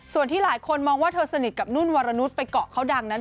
ส่วนที่หลายคนมองว่าเธอสนิทกับนุ่นวรนุษย์ไปเกาะเขาดังนั้น